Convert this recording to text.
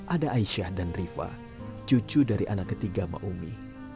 ada aisyah dan riva cucu dari anak ketiga maumi